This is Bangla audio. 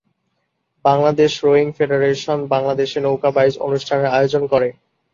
বাংলাদেশ রোয়িং ফেডারেশন বাংলাদেশে নৌকা বাইচ অনুষ্ঠানের আয়োজন করে।